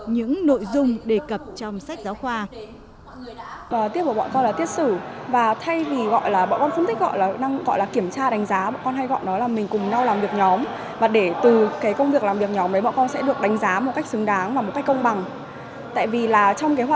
những nội dung đề cập trong sách giáo khoa